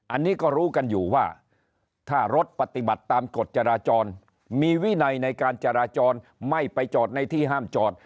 อันนี้ก็รู้กันอยู่ว่าถ้ารถปฏิบัติตามกฎจราจรมีวินัยในการจราจรไม่ไปจอดในที่ห้ามจอด